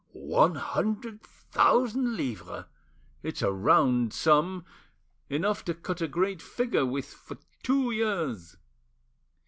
One hundred thousand livres! It's a round sum—enough to cut a great figure with for two years.